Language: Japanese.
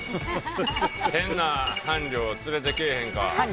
変な伴侶を連れてけえへんか。